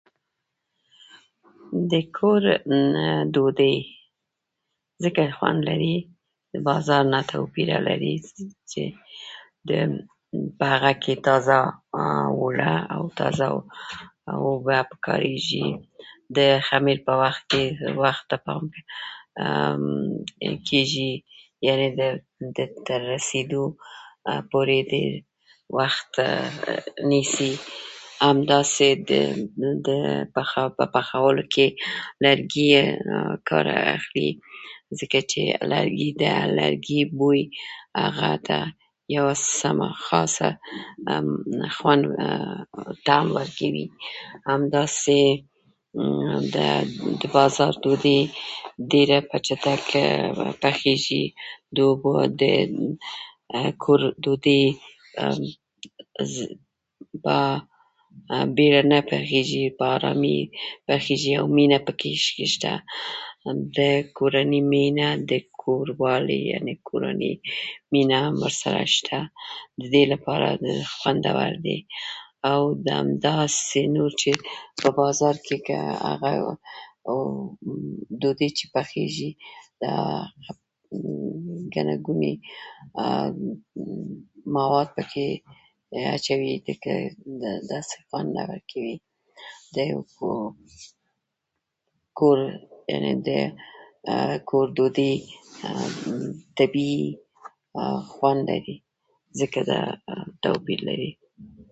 څنګه کولی شو پرمختګ وکړو